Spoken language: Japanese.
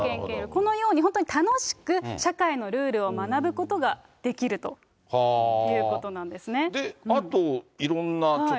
このように本当に楽しく社会のルールを学ぶことができるというこあと、いろんなちょっと。